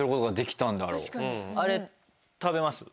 あれ食べます？